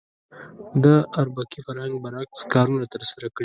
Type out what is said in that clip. د اربکي فرهنګ برعکس کارونه ترسره کړي.